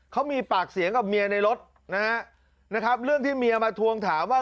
เขามีปากเสียงกับเมียในรถนะฮะนะครับเรื่องที่เมียมาทวงถามว่า